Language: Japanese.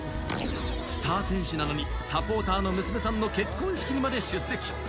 スター選手なのにサポーターの娘さんの結婚式にまで出席。